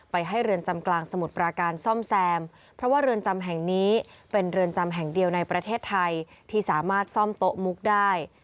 ให้เรือนจำกลางสมุทรปราการซ่อมแซมเพราะว่าเรือนจำแห่งนี้เป็นเรือนจำแห่งเดียวในประเทศไทยที่สามารถซ่อมโต๊ะมุกได้